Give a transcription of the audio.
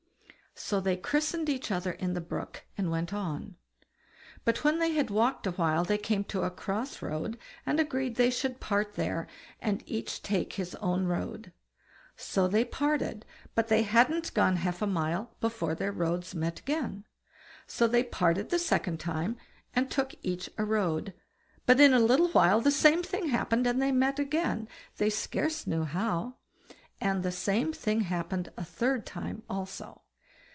So they christened each other in the brook, and went on; but when they had walked a while they came to a cross road, and agreed they should part there, and each take his own road. So they parted, but they hadn't gone half a mile before their roads met again. So they parted the second time, and took each a road; but in a little while the same thing happened, and they met again, they scarce knew how; and the same thing happened a third time also.